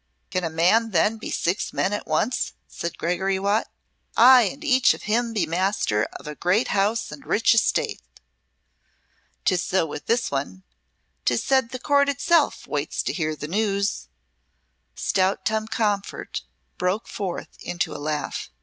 "Can a man then be six men at once?" said Gregory Watt. "Ay, and each of him be master of a great house and rich estate. 'Tis so with this one. 'Tis said the Court itself waits to hear the news." Stout Tom Comfort broke forth into a laugh.